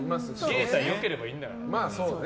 芸さえ良ければいいんだから。